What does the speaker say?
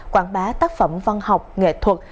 quảng bá tác phẩm văn học nghệ thuật